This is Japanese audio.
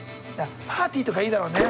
パーティーとかいいだろうね。